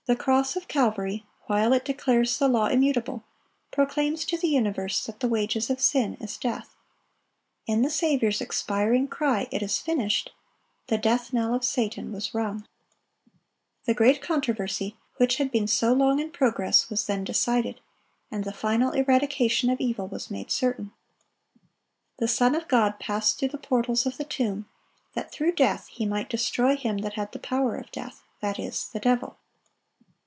The cross of Calvary, while it declares the law immutable, proclaims to the universe that the wages of sin is death. In the Saviour's expiring cry, "It is finished," the death knell of Satan was rung. The great controversy which had been so long in progress was then decided, and the final eradication of evil was made certain. The Son of God passed through the portals of the tomb, that "through death He might destroy him that had the power of death, that is, the devil."